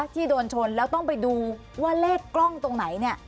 ที่โดนชนแล้วต้องไปดูว่าเลขกล้องตรงไหนเนี่ย